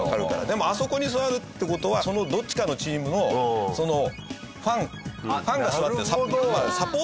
でもあそこに座るって事はそのどっちかのチームのファンファンが座ってるサポーターが座ってるわけ。